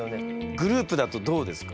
グループだとどうですか？